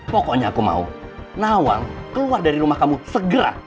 pokoknya aku mau nawal keluar dari rumah kamu segera